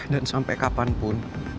dan sampai kapanpun